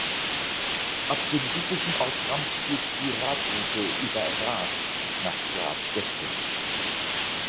Ab dem südlichen Ortsrand führt die "Radroute" „über Raach“ nach Graz-Gösting.